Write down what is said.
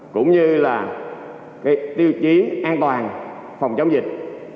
cũng như là cái tiêu chí an toàn phòng chống dịch